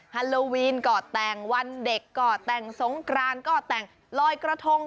ฮาโลวีนก็แต่งวันเด็กก็แต่งสงกรานก็แต่งลอยกระทง